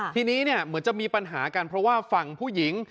ทีนี้เนี่ยเหมือนจะมีปัญหากันเพราะว่าฝั่งผู้หญิง